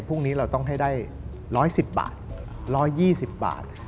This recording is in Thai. พรุ่งนี้เราต้องให้ได้๑๑๐บาท๑๒๐บาท